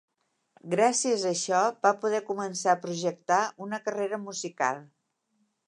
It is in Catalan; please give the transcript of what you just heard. Gràcies a això va poder començar a projectar una carrera musical.